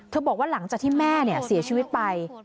เธอบอกว่าหลังจากที่แม่เนี่ยเสียชีวิตไป